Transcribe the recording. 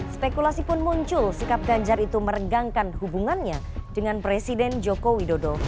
spekulasi pun muncul sikap ganjar itu meregangkan hubungannya dengan presiden joko widodo